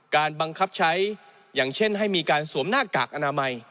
บังคับใช้อย่างเช่นให้มีการสวมหน้ากากอนามัย